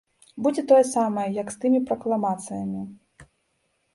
Будзе тое самае, як з тымі пракламацыямі.